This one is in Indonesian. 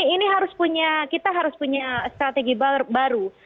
ini harus punya kita harus punya strategi baru